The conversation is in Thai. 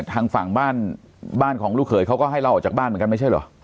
ทางฝั่งบ้านบ้านของลูกเขยเขาก็ให้เราออกจากบ้านเหมือนกันไม่ใช่เหรอ